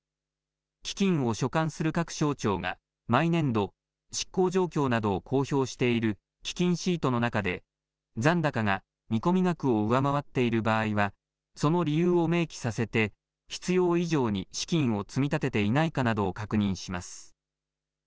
基金を所管する各省庁が毎年度、執行状況などを公表している基金シートの中で残高が見込み額を上回っている場合はその理由を明記させて必要以上に資金を積み立てていないかなどを確認します。